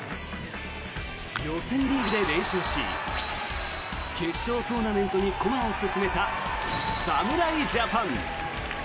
予選リーグで連勝し決勝トーナメントに駒を進めた侍ジャパン。